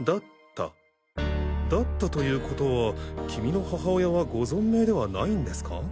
「だった」ということは君の母親はご存命ではないんですか？